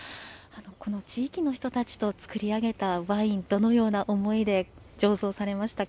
この地域の人たちと造り上げたワイン、どのような思いで醸造されましたか？